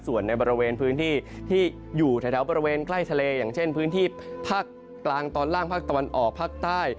ส่วนในบริเวณพื้นที่ที่อยู่แถวบริเวณใกล้ทะเลอย่างเช่นพื้นที่ภาคกลางตอนล่างภาคตะวันออกภาคใต้